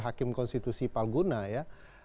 hakim konstitusi palguna ya